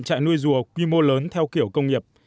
chạy nuôi rùa quy mô lớn theo kiểu công nghiệp